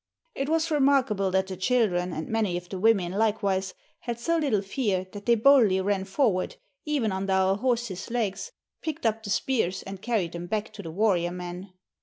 It was remarkable that the children, and many of the women likewise, had so little fear that they boldly ran forward, even under our horses' legs, picked up the spears, and carried them back to the warrior men.